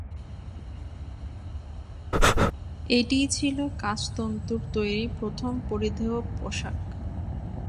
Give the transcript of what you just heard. এটিই ছিল কাচ তন্তুর তৈরী প্রথম পরিধেয় পোশাক।